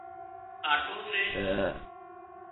آٽو سي